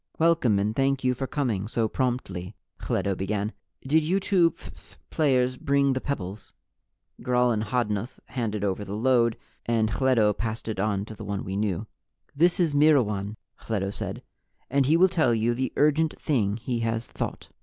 "Welcome and thank you for coming so promptly," Hledo began. "Did you two phph players bring the pebbles?" Gral and Hodnuth handed over the load, and Hledo passed it on to the one we knew. "This is Myrwan," Hledo said, "and he will tell you the urgent thing he has Thought."